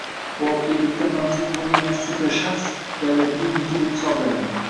voqelikda mavjud bo‘lmagan supershaxs – davlatning mulki, deb hisoblaydi.